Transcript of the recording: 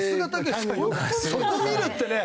そこを見るってね